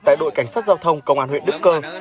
tại đội cảnh sát giao thông công an huyện đức cơ